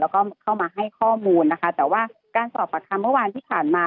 แล้วก็เข้ามาให้ข้อมูลนะคะแต่ว่าการสอบปากคำเมื่อวานที่ผ่านมา